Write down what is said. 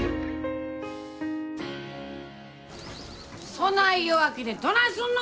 ・そない弱気でどないすんの！